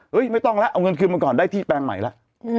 ไม่ต้องแล้วเอาเงินคืนมาก่อนได้ที่แปลงใหม่แล้ว